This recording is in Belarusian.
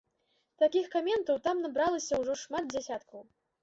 Такіх каментаў там набралася ўжо шмат дзясяткаў.